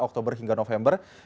oktober hingga november